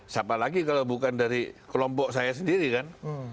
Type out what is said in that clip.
siapa lagi kalau bukan dari kelompok saya sendiri kan